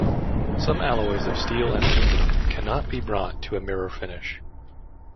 Some alloys of steel and aluminum cannot be brought to a mirror finish.